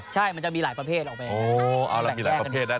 ใช่มันจะมีหลายประเภทออกไป